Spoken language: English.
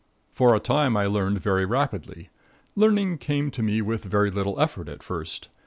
For a time I learned very rapidly. Learning came to me with very little effort at first.